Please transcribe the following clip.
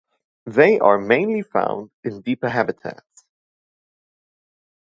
They are mainly found in deeper habitats.